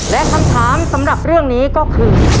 และคำถามสำหรับเรื่องนี้ก็คือ